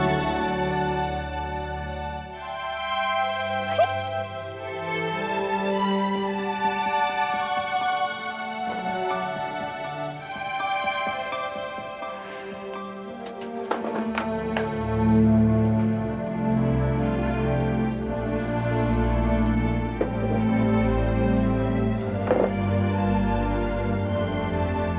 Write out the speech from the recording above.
saya masih masih